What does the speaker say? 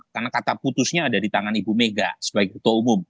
karena kata putusnya ada di tangan ibu mega sebagai ketua umum